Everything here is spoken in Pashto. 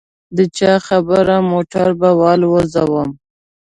د چا خبره موټر به والوزووم.